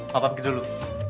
papa pergi dulu